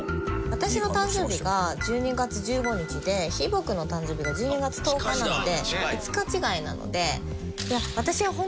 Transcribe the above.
私の誕生日が１２月１５日でひーぼぉくんの誕生日が１２月１０日なので５日違いなので。